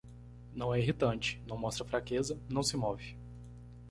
Não é irritante, não mostra fraqueza, não se move